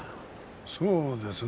そうですね。